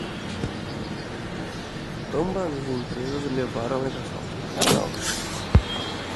Ambas as empresas levaram a Microsoft ao tribunal.